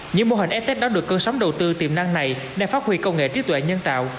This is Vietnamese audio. những mô hình s tech đón được cơn sóng đầu tư tiềm năng này để phát huy công nghệ trí tuệ nhân tạo